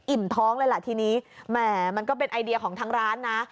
ท้องเลยล่ะทีนี้แหมมันก็เป็นไอเดียของทางร้านนะ